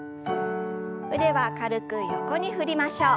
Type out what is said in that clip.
腕は軽く横に振りましょう。